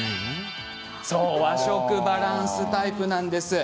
和食バランスタイプです。